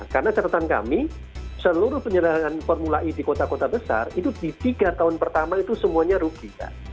karena catatan kami seluruh penyelenggaraan formula i di kota kota besar itu di tiga tahun pertama itu semuanya rugi kan